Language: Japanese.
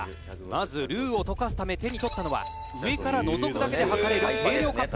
「まずルーを溶かすため手に取ったのは上からのぞくだけで量れる計量カップ」